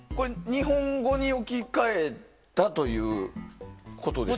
日本語に置き換えたということですか？